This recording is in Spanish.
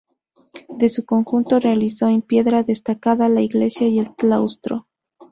De su conjunto, realizado en piedra, destaca la iglesia y el claustro.